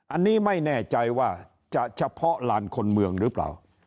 อันนี้ไม่แน่ใจว่าจะเฉพาะลานคนเมืองหรือเปล่า